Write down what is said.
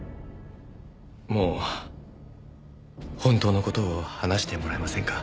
もう本当の事を話してもらえませんか？